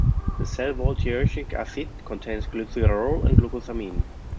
The cell wall teichoic acid contains glycerol and glucosamine.